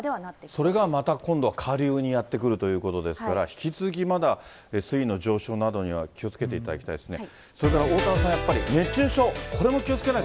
それがまた今度は下流にやって来るということですから、引き続き、まだ水位の上昇などには気をつけていただきたいですね。